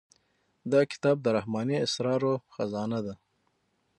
دا کتاب د رحماني اسرارو خزانه ده.